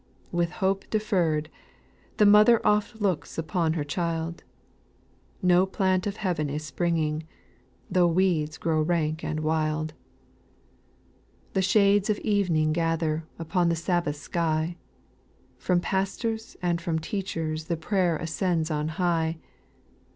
With hope deferred, the mother Oft looks upon her child, N'o plant of heaven is spnivgvw^, Though weeds grow nwk ai[\OL V\\^, SPIRITUAL SONGS, 187 4. The shades of eveniog gather Upon the Sabbath sky, From pastors and from teachers The prayer ascends on high.